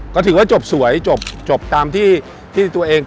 ก็ถือว่าจบสวยจบตามที่ตัวเอง